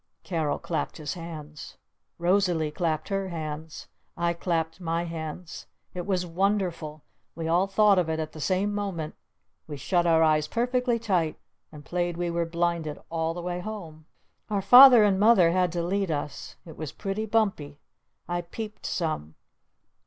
Carol clapped his hands. Rosalee clapped her hands. I clapped my hands. It was wonderful! We all thought of it at the same moment! We shut our eyes perfectly tight and played we were blinded all the way home! Our Father and Mother had to lead us. It was pretty bumpy! I peeped some!